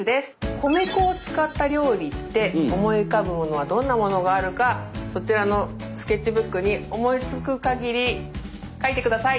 米粉を使った料理って思い浮かぶものはどんなものがあるかそちらのスケッチブックに思いつく限り書いて下さい。